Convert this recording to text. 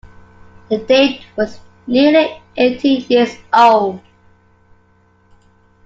The date was nearly eighteen years old.